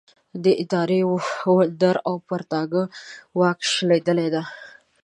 د اداري وندر او د پرتاګه واګه شلېدلې ده.